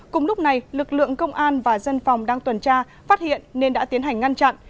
cùng lúc này lực lượng công an và dân phòng đang tuần tra phát hiện nên đã tiến hành ngăn chặn